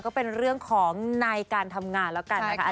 ก็เป็นเรื่องของในการทำงานแล้วกันนะคะ